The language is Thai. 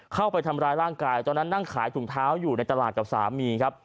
เข้าไปทำร้ายร่างกายตอนนั้นนั่งขายถุงเท้าอยู่ในตลาดกับสามีครับ